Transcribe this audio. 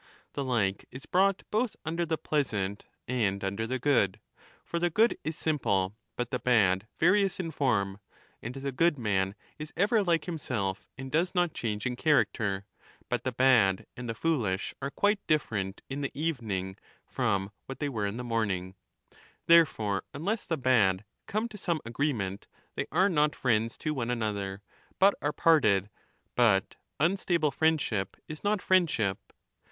The like is brought both under the pleasant 10 and under the good, for the good is simple, but thejaad various^ ijljorm ; and the good man is ever li ke h imself and does not change in character ; but the bad and the foolish are quite jdifferent in the evening from what they were in the morning Therefore unless the bad come to some agreement, they are not friends to one another but are parted ; but unstable friendship is not friendship.